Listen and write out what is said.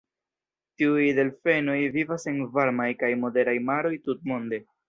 Tiuj delfenoj vivas en varmaj kaj moderaj maroj tutmonde.